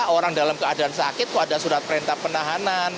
orang dalam keadaan sakit itu ada surat perintah penahanan